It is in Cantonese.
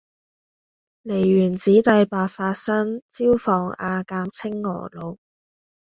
梨園子弟白發新，椒房阿監青娥老。